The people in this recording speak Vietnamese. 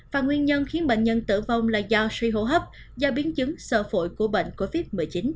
và nguyên nhân khiến bệnh nhân tử vong là do suy hô hấp do biến chứng sở phổi của bệnh covid một mươi chín